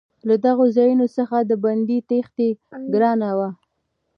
له دغو ځایونو څخه د بندي تېښته ګرانه وه.